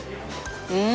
うん！